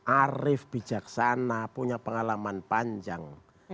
arif bijaksana punya pengalaman panjang